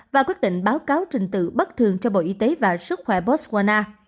và quyết định báo cáo trình tự bất thường cho bộ y tế và sức khỏe botswana